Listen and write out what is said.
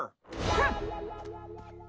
フン！